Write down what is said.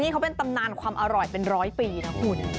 เขาเป็นตำนานความอร่อยเป็นร้อยปีนะคุณ